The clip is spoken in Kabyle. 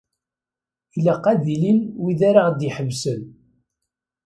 Ilaq ad ilin wid ara ɣ-d-iḥebsen.